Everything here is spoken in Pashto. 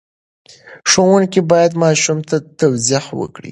ښوونکی باید ماشوم ته توضیح ورکړي.